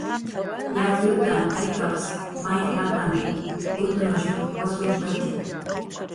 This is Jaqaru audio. "yatxutan aykaps may lataw utnushp"" wasurtaki."